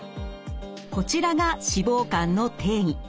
こちらが脂肪肝の定義。